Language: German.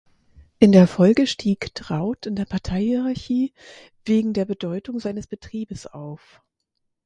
In der Folge stieg Traut in der Parteihierarchie wegen der Bedeutung seines Betriebes auf.